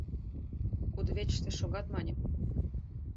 — Кудывечыште шогат, — маньым.